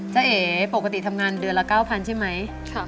เอ๋ปกติทำงานเดือนละ๙๐๐ใช่ไหม